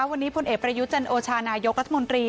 วันนี้พลเอกประยุจันโอชานายกรัฐมนตรี